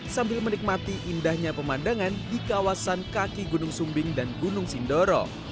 sambil menikmati indahnya pemandangan di kawasan kaki gunung sumbing dan gunung sindoro